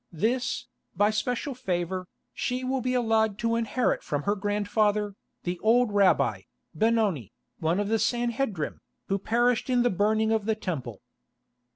This, by special favour, she will be allowed to inherit from her grandfather, the old rabbi, Benoni, one of the Sanhedrim, who perished in the burning of the Temple."